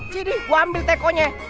jadi gua ambil tekonya